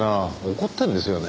怒ってるんですよね。